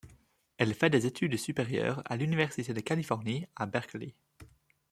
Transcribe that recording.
Elle fait des études supérieures à l'université de Californie à Berkeley.